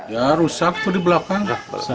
ya rusak tuh di belakang